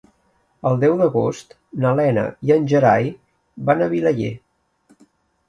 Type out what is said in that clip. El deu d'agost na Lena i en Gerai van a Vilaller.